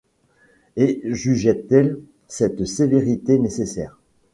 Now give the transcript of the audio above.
et jugeait-elle cette sévérité nécessaire ?